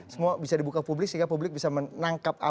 semua bisa dibuka publik sehingga publik bisa menangkap